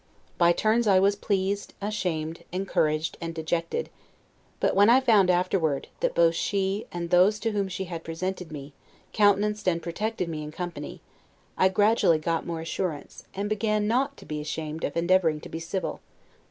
By turns I was pleased, ashamed, encouraged, and dejected. But when I found afterward, that both she, and those to whom she had presented me, countenanced and protected me in company, I gradually got more assurance, and began not to be ashamed of endeavoring to be civil.